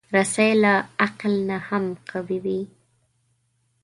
رسۍ له عقل نه هم قوي وي.